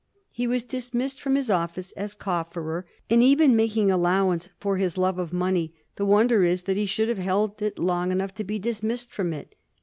He was dismissed from his office . as Cofferer, and, even making allowance for his love of money, the wonder is that he should have held it long enough to be dismissed from it.